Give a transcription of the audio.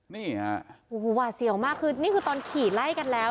นี่ฮะโอ้โหหวาดเสียวมากคือนี่คือตอนขี่ไล่กันแล้ว